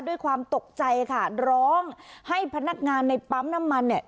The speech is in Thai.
ด้วยความตกใจค่ะร้องให้พนักงานในปั๊มน้ำมันเนี่ย